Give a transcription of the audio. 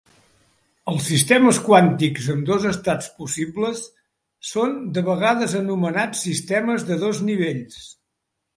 Els sistemes quàntics amb dos estats possibles són de vegades anomenats sistemes de dos nivells.